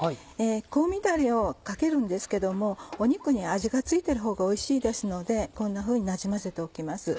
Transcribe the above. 香味だれをかけるんですけども肉に味が付いてるほうがおいしいですのでこんなふうになじませておきます。